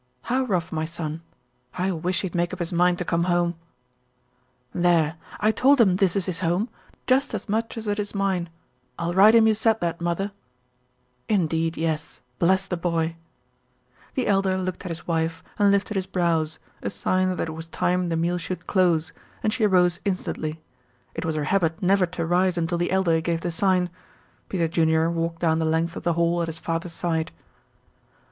"How rough, my son? I wish he'd make up his mind to come home." "There! I told him this is his home; just as much as it is mine. I'll write him you said that, mother." "Indeed, yes. Bless the boy!" The Elder looked at his wife and lifted his brows, a sign that it was time the meal should close, and she rose instantly. It was her habit never to rise until the Elder gave the sign. Peter Junior walked down the length of the hall at his father's side.